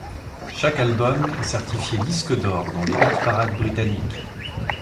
Chaque album est certifié disque d’or dans les hits parades britanniques.